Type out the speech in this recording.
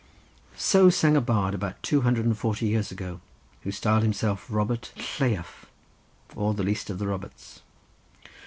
So sang a bard about two hundred and forty years ago, who styled himself Robert Lleiaf, or the least of the Roberts.